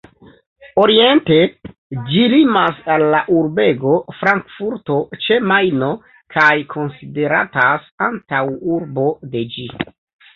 Oriente ĝi limas al la urbego Frankfurto ĉe Majno, kaj konsideratas antaŭurbo de ĝi.